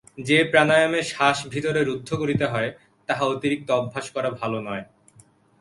যে প্রাণায়ামে শ্বাস ভিতরে রুদ্ধ করিতে হয়, তাহা অতিরিক্ত অভ্যাস করা ভাল নয়।